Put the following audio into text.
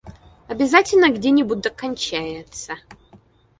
Обязательно где-нибудь да кончается!